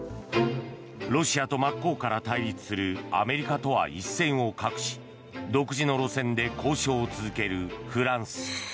ロシアと真っ向から対立するアメリカとは一線を画し独自の路線で交渉を続けるフランス。